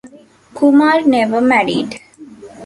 Kumar never married.